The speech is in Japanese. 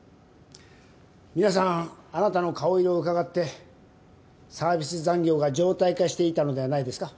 皆さんあなたの顔色をうかがってサービス残業が常態化していたのではないですか？